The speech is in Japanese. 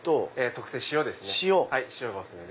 特選塩ですね。